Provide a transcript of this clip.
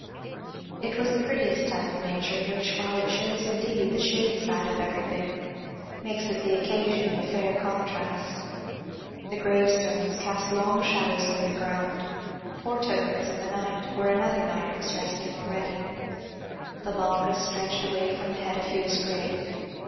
It was that prettiest time of nature which while it shows indeed the shade side of everything, makes it the occasion of a fair contrast The grave stones cast long shadows over the ground, foretokens of night where another night was resting already; the longest stretched away from the head of Hugh's grave.